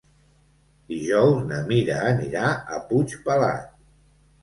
Dijous na Mira anirà a Puigpelat.